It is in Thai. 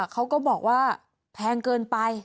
เขาก็บอกว่าแพงเกินไป